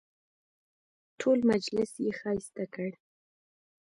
ټول مجلس یې ښایسته کړ.